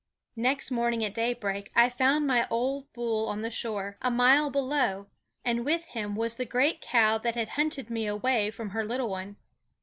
Next morning at daybreak I found my old bull on the shore, a mile below; and with him was the great cow that had hunted me away from her little one.